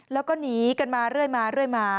แล้วก็หนีกันมาเรื่อยมา